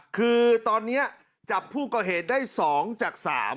คือตอนนี้จับผู้ก่อเหตุได้๒จาก๓